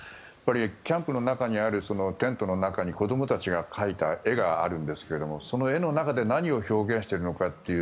やっぱりキャンプの中にあるテントの中に子供たちが描いた絵があるんですが、その絵の中で何を表現しているのか。